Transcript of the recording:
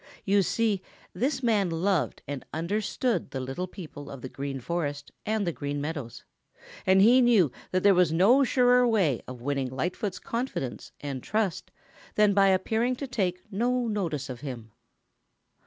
You see, this man loved and understood the little people of the Green Forest and the Green Meadows, and he knew that there was no surer way of winning Lightfoot's confidence and trust than by appearing to take no notice of him.